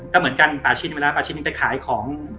ก็เหมือนกันป่าชิ้นเวลาไปขายของ